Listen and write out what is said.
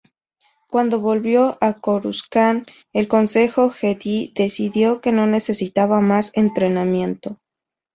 Cuando volvió a Coruscant, el Consejo Jedi decidió que no necesitaba más entrenamiento.